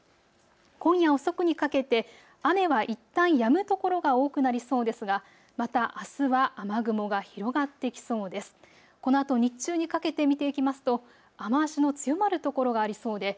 今夜遅くにかけて雨はいったんやむところが多くなりそうですがまた、あすは雨雲が広がってきそうです。